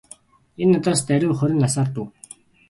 Энэ надаас даруй хорин насаар дүү.